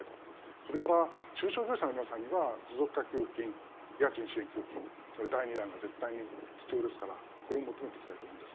それから中小企業者の皆さんには持続化給付金、家賃支援給付金第２弾が絶対に必要ですからこれを求めていきたいと思います。